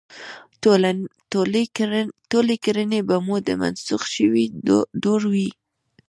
ټولې کړنې به مو د منسوخ شوي دور وي.